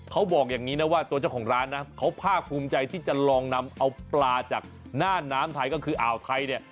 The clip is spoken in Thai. เขาบอกอย่างนี้นะว่าตัวเจ้าของร้านนะเขาภาคภูมิใจที่จะลองนำเอาปลาจากหน้าน้ำไทยก็คืออ่าวไทยเนี่ย